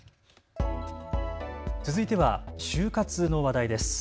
続いては就活の話題です。